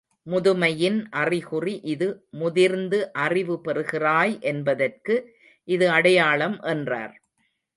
முதுமையின் அறிகுறி இது முதிர்ந்து அறிவு பெறுகிறாய் என்பதற்கு இது அடையாளம் என்றார்.